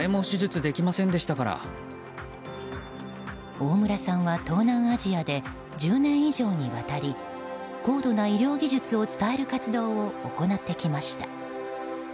大村さんは、東南アジアで１０年以上にわたり高度な医療技術を伝える活動を行ってきました。